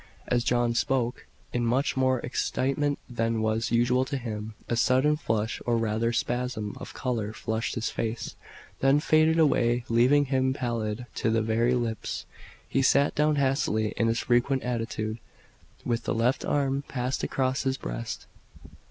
'" As John spoke, in much more excitement than was usual to him, a sudden flush or rather spasm of colour flushed his face, then faded away, leaving him pallid to the very lips. He sat down hastily, in his frequent attitude, with the left arm passed across his breast.